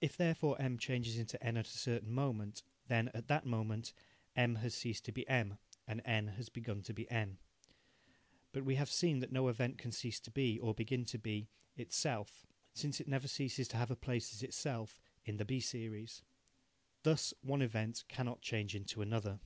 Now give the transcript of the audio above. If therefore M changes into N at a certain moment, then, at that moment, M has ceased to be M, and N has begun to be N. But we have seen that no event can cease to be, or begin to be, itself, since it never ceases to have a place as itself in the B series. Thus one event cannot change into another.